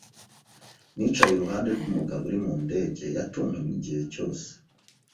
Nicaye iruhande rwumugabo uri mu ndege yatontomye igihe cyose.